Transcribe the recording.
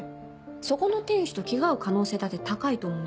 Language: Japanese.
そこの店主と気が合う可能性だって高いと思うんです。